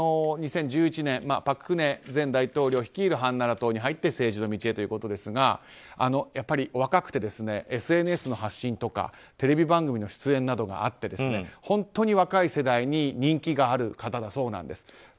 ２０１１年朴槿惠前大統領率いるハンナラ党に入って政治の道へということですがやっぱり、若くてＳＮＳの発信とかテレビ番組の出演などがあって本当に若い世代に人気がある方だそうなんです。